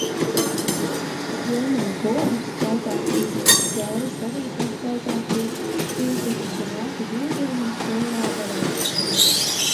Ziemeļu gulbjus, skaitā trīs. Dzērves, arīdzan skaitā trīs. Sīkputnus un lauku Dūdieviņus lielā barā.